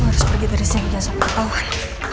aku harus pergi dari sini jangan sampai ketahuan